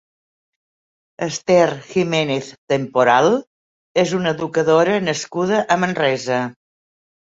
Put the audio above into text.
Ester Jiménez Temporal és una educadora nascuda a Manresa.